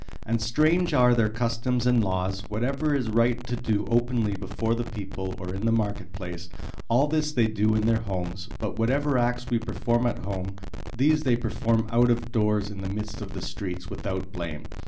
And strange are their customs and laws. Whatever it is right to do openly before the people or in the market place, all this they do in their homes, but whatever acts we perform at home, these they perform out of doors in the midst of the streets, without blame.